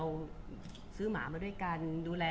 คุณผู้ถามเป็นความขอบคุณค่ะ